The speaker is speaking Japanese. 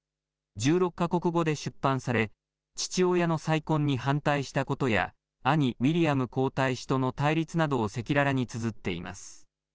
１６か国語で出版され、父親の再婚に反対したことや、兄、ウィリアム皇太子との対立などを赤裸々につづっています。